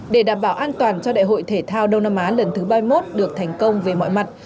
để đảm bảo an toàn cho đại hội thể thao đông nam á lần thứ ba mươi một được thành công về mọi mặt